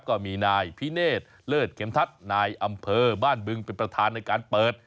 ก็มีนายพิเนธเลิศเข็มทัศน์นายอำเภอบ้านบึงเป็นประธานในการเปิด